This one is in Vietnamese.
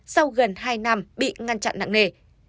sau gần hai năm bị ngăn chặn nặng nề